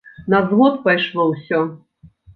На звод пайшло ўсё.